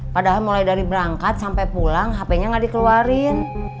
padahal mulai dari berangkat sampai pulang hpnya gak dikeluarin